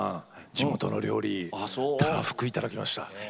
地元の料理たらふく頂きました。